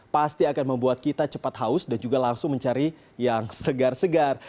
pasti akan membuat kita cepat haus dan juga langsung mencari yang segar segar